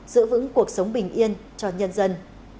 giữ vững cuộc sống bình yên cho nhân dân